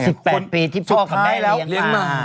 ๑๘ปีที่พ่อกับแม่เลี้ยงมา